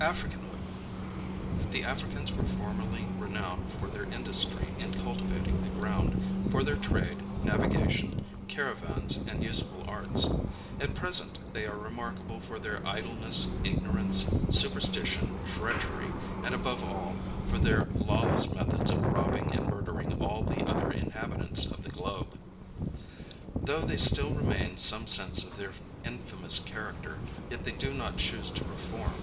AFRICAN WOMEN. The Africans were formerly renowned for their industry in cultivating the ground, for their trade, navigation, caravans and useful arts. At present they are remarkable for their idleness, ignorance, superstition, treachery, and, above all, for their lawless methods of robbing and murdering all the other inhabitants of the globe. Though they still retain some sense of their infamous character, yet they do not choose to reform.